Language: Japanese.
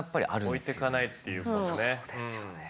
置いてかないっていうことね。